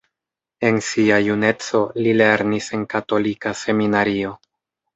En sia juneco, li lernis en katolika seminario.